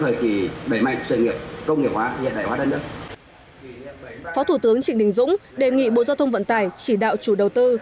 phó thủ tướng trịnh đình dũng đề nghị bộ giao thông vận tải chỉ đạo chủ đầu tư